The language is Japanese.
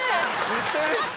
めっちゃうれしそう。